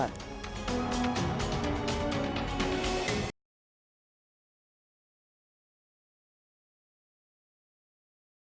namun tak sama aja semuanya diri marvel rusuknya masukli deine pa compan